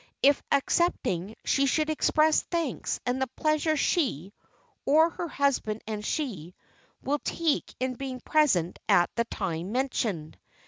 If accepting she should express thanks and the pleasure she (or her husband and she) will take in being present at the time mentioned.